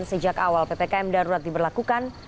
sejak awal ppkm darurat diberlakukan